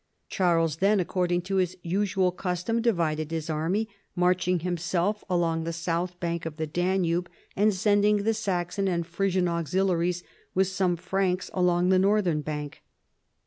Charles then, according to his usual custom, divided his army, marching himself along the south bank of the Dan ube, and sending the Saxon and Frisian auxiliaries with some Franks alonij the northern bank.